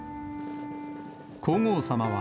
皇后さまは、